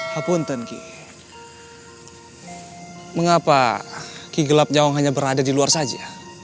hapuntenki mengapa ki gelap jawa hanya berada di luar saja